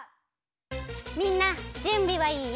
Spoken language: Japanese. みんなじゅんびはいい？